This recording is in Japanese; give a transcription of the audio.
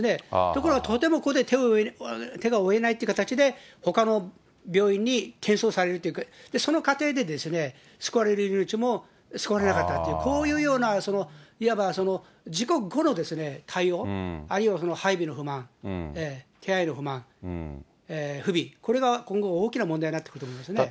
ところがとてもここで手が負えないっていう形で、ほかの病院に転送される、その過程で救われる命も救われなかったという、こういうようないわば事故後の対応、あるいは配備の不満、手配の不満、不備、これが今後、大きな問題になってくると思いますね。